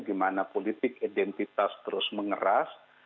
dimana politik identitas terus mengeras